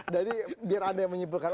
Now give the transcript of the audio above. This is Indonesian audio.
jadi biar anda yang menyimpulkan